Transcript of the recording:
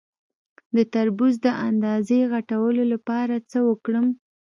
د تربوز د اندازې غټولو لپاره څه وکړم؟